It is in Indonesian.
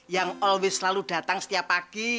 yang always selalu datang setiap pagi